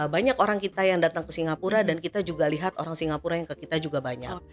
banyak orang kita yang datang ke singapura dan kita juga lihat orang singapura yang ke kita juga banyak